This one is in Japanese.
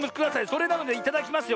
それなのでいただきますよ